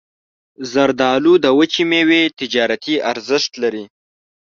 زردالو د وچې میوې تجارتي ارزښت لري.